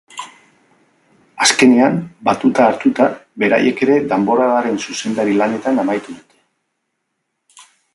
Azkenenean, batuta hartuta, beraiek ere danborradaren zuzendari lanetan amaitu dute!